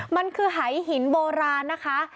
มันคือหายหินโบราณนะคะ